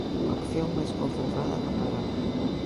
Coa acción máis concentrada na palabra.